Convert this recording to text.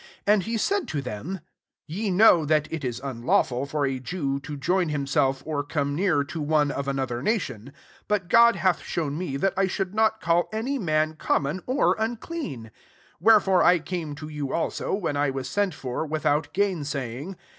28 And he said to them, " Ye know that it is un lawful for a Jew, to join bin) self, or come near, to one of another nation: but God hath shown me that 1 should not call any man common or unclean. 29 Wherefore I came to you also, when I was sent for, without gainsaying.